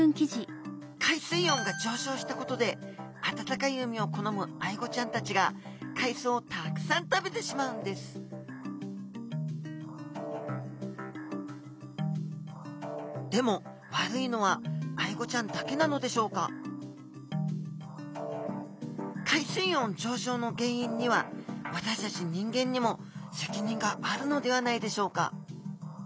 海水温が上昇したことで暖かい海を好むアイゴちゃんたちが海藻をたくさん食べてしまうんですでも海水温の上昇の原因には私たち人間にも責任があるのではないでしょうか？